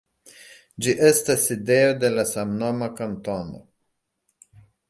Ĝi estas sidejo de la samnoma kantono.